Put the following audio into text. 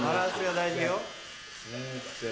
大丈夫？